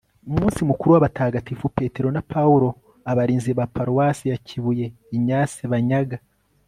umunsi mukuru w'abatagatifu petero na paulo, abarinzi ba paruwasi ya kibuye ignace banyaga